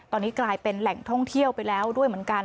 ตอนนี้กลายเป็นแหล่งท่องเที่ยวไปแล้วด้วยเหมือนกัน